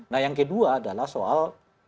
nah yang kedua adalah soal